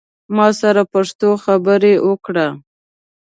ما سره پښتو خبری اوکړه